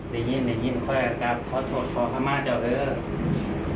ได้ยินได้ยินเพราะแรกการขอโทษขอมูลบ้างเธอเลย